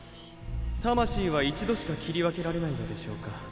魂は一度しか切り分けられないのでしょうか